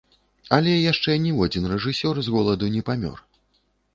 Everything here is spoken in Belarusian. Але яшчэ ніводзін рэжысёр з голаду не памёр!